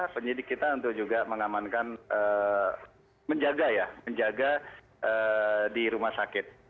penyidik kita untuk juga mengamankan menjaga ya menjaga di rumah sakit